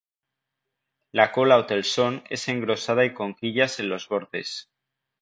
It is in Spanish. La cola o telson es engrosada y con quillas en los bordes.